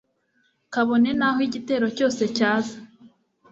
kabone n'aho igitero cyose cyaza